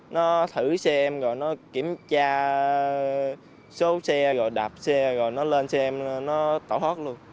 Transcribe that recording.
nó thử xe em rồi nó kiểm tra số xe rồi đạp xe rồi nó lên xem nó tẩu hót luôn